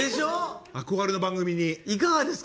憧れの番組に。